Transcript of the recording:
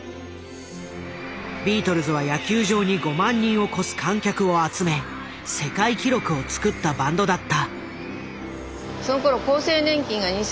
ビートルズは野球場に５万人を超す観客を集め世界記録を作ったバンドだった。